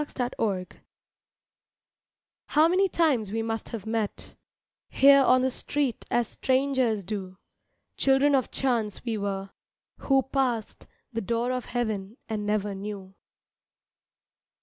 CHANCE How many times we must have met Here on the street as strangers do, Children of chance we were, who passed The door of heaven and never knew.